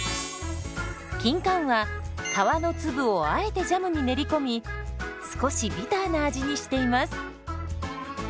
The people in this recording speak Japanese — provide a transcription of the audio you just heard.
キンカンは皮の粒をあえてジャムに練り込み少しビターな味にしています。